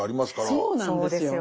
そうなんですよ。